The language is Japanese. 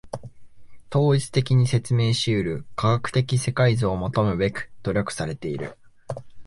統一的に説明し得る科学的世界像を求むべく努力されている。